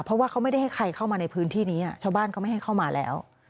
เพราะว่าเขาไม่ได้ให้ใครเข้ามาในพื้นที่นี้ชาวบ้านเขาไม่ให้เข้ามาแล้ว